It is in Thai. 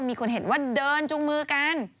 มีคนเห็นว่าเดินจูงมือกัน